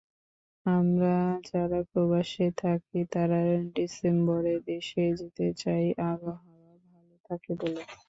আমরা যারা প্রবাসে থাকি তারা ডিসেম্বরে দেশে যেতে চাই আবহাওয়া ভালো থাকে বলে।